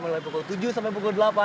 mulai pukul tujuh sampai pukul delapan